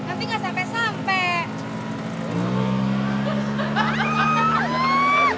nanti gak sampai sampai